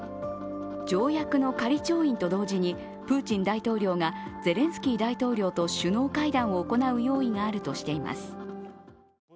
条約の仮調印と同時に、プーチン大統領がゼレンスキー大統領と首脳会談を行う用意があるとしています。